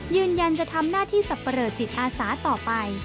ยืนยันจะทำหน้าที่สับปะเลอจิตอาสาต่อไป